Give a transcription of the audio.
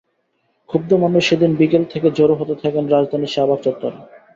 ক্ষুব্ধ মানুষ সেদিন বিকেল থেকে জড়ো হতে থাকেন রাজধানীর শাহবাগ চত্বরে।